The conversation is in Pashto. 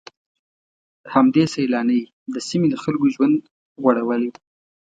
همدې سيلانۍ د سيمې د خلکو ژوند غوړولی.